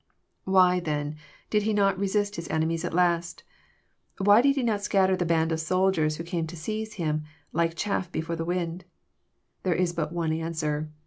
Why, then, did He not resist His enemies at last? Why did He not scatter the band of soldiers who came to seize Him, like chaff before the wind? There is but one answer.